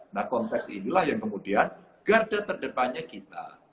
nah konteks inilah yang kemudian garda terdepannya kita